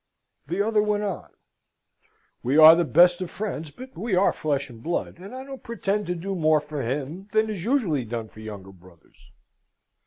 The other went on: "We are the best of friends, but we are flesh and blood: and I don't pretend to do more for him than is usually done for younger brothers.